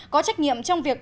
có trách nhiệm trong việc